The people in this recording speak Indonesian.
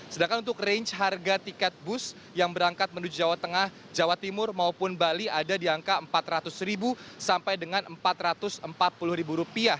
sedangkan untuk range harga tiket bus yang berangkat menuju jawa tengah jawa timur maupun bali ada di angka rp empat ratus sampai dengan rp empat ratus empat puluh